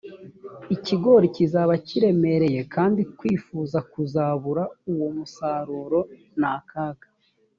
ikigori kizaba kiremereye kandi kwifuza kuzabura uwo musaruro ni akaga